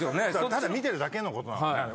ただ観てるだけのことなのね。